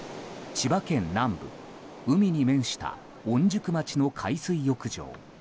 千葉県南部海に面した御宿町の海水浴場。